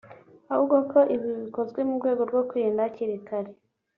ahubwo ko ibi bikozwe mu rwego rwo kwirinda hakiri kare